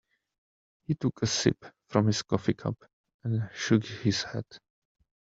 He took a sip from his coffee cup and shook his head.